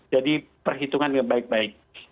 jadi perhitungannya baik baik